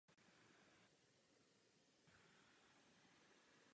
Působí jako primář oddělení klinické biochemie a diagnostiky v Pardubické krajské nemocnici.